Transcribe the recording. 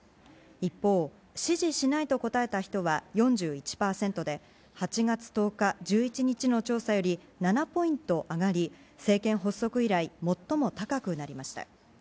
一方、支持しないと答えた人は４１％で、８月１０日、１１日の調査より７ポイント上がり、政権発足以来、最も高くなりました。